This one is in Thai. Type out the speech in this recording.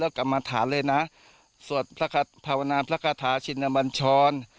แล้วกลับมาถานเลยนะสวดภาวนาพระกาถาชินตะบันชร